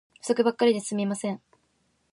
不足ばっかりで進みません